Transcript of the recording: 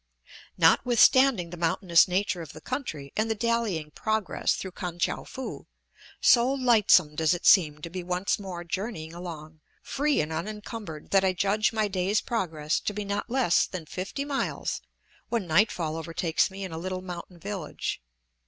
Notwithstanding the mountainous nature of the country and the dallying progress through Kan tchou foo, so lightsome does it seem to be once more journeying along, free and unencumbered, that I judge my day's progress to be not less than fifty miles when nightfall overtakes me in a little mountain village.